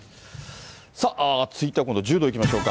さあ続いては今度、柔道いきましょうか。